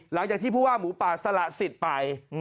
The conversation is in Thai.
หลังจากที่ผู้ว่าหมูป่าสละสิทธิ์ไป